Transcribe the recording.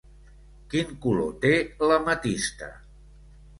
Quin color té l'ametista?